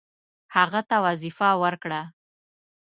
هغه ته وظیفه ورکړه.